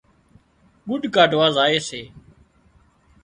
ڳُڏ ڪاڍوا زائي سي